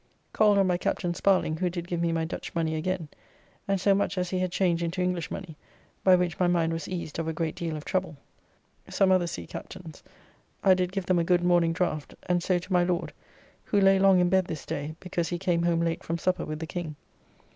Called on by Captain Sparling, who did give me my Dutch money again, and so much as he had changed into English money, by which my mind was eased of a great deal of trouble. Some other sea captains. I did give them a good morning draught, and so to my Lord (who lay long in bed this day, because he came home late from supper with the King).